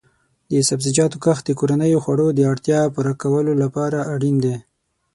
د سبزیجاتو کښت د کورنیو خوړو د اړتیا پوره کولو لپاره اړین دی.